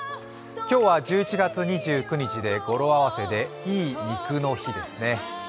今日は１１月２９日で語呂合わせでいい肉の日ですね。